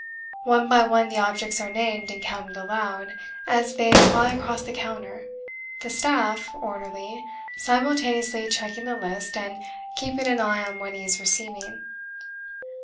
One by one the objects are named and counted aloud, as they fly across the counter, the staff orderly simultaneously checking the list and keeping an eye on what he is receiving.